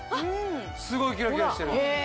すごいキラキラしてる。